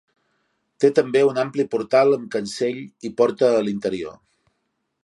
Té també un ampli portal amb cancell i porta a l'interior.